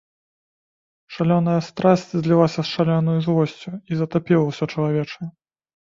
Шалёная страсць злілася з шалёнаю злосцю і затапіла ўсё чалавечае.